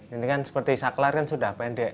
ini kan seperti saklar kan sudah pendek